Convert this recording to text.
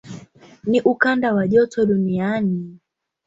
Ni ukanda wa joto duniani.